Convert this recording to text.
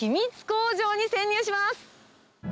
工場に潜入します。